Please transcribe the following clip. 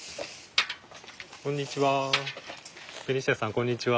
こんにちは。